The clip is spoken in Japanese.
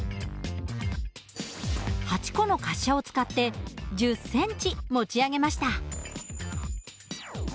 ８個の滑車を使って１０センチ持ち上げました。